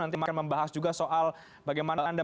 nanti akan membahas juga soal bagaimana anda